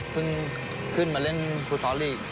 เพิ่งขึ้นมาเล่นภูทอลลีก